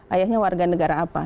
ayahnya warga negara apa